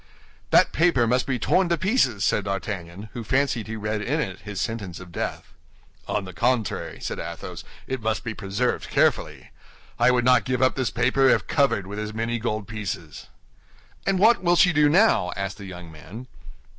"That paper must be torn to pieces," said D'Artagnan, who fancied he read in it his sentence of death. "On the contrary," said Athos, "it must be preserved carefully. I would not give up this paper if covered with as many gold pieces." "And what will she do now?" asked the young man.